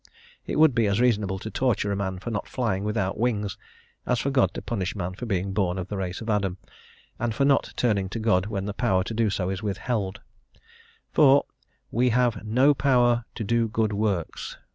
It would be as reasonable to torture a man for not flying without wings, as for God to punish man for being born of the race of Adam, and for not turning to God when the power so to do is withheld; for "we have no power to do good works....